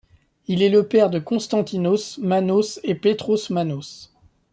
Il est le père de Konstantínos Mános et Pétros Mános.